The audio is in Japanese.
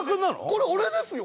これ俺ですよ！